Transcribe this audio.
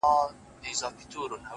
• لکه نسیم د ګل پر پاڼوپانو ونڅېدم ,